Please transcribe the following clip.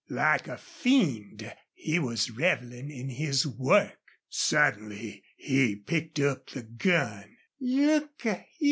Like a fiend he was reveling in his work. Suddenly he picked up the gun. "Look a hyar!"